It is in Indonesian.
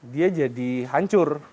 dia jadi hancur